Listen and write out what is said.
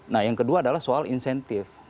nah yang kedua adalah soal insentif